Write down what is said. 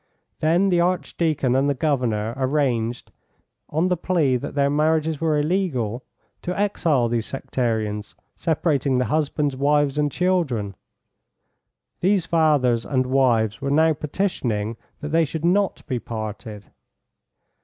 Then the Archdeacon and the Governor arranged, on the plea that their marriages were illegal, to exile these sectarians, separating the husbands, wives, and children. These fathers and wives were now petitioning that they should not be parted.